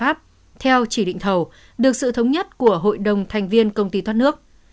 theo luật pháp theo chỉ định thầu được sự thống nhất của hội đồng thành viên công ty thoát nước